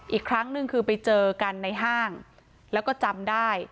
อีกครั้งหนึ่งคือไปเจอกันในห้างแล้วก็จำได้